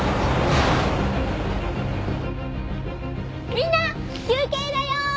みんな休憩だよん！